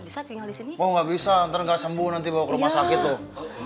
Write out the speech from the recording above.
bisa tinggal di sini oh nggak bisa nanti nggak sembuh nanti bawa ke rumah sakit tuh